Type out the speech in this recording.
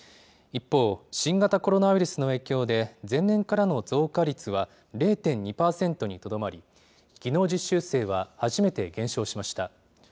一方、新型コロナウイルスの影響で前年からの増加率は０．２％にとどまり、技能実習生は初めて減少しました。